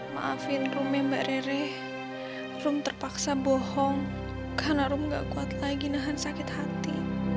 maafin rom ya mba rere rom terpaksa bohong karena rom nggak kuat lagi nahan sakit hati